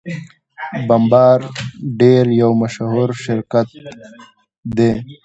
بمبارډیر یو مشهور شرکت دی.